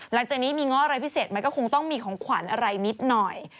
หลังจากนี้มีง้ออะไรพิเศษมันก็คงต้องมีของขวัญอะไรนิดหน่อย